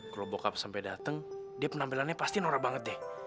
kalau bokap sampai datang dia penampilannya pasti norak banget deh